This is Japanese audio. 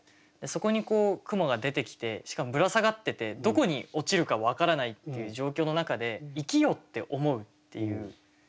そこに蜘蛛が出てきてしかもぶら下がっててどこに落ちるか分からないっていう状況の中で「生きよ」って思うっていう。